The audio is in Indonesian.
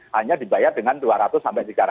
hanya dibayar dengan dua ratus sampai tiga ratus